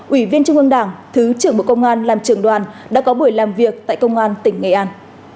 ủy viên trung ương đảng thứ trưởng bộ công an làm trưởng đoàn đã có buổi làm việc tại công an tỉnh nghệ an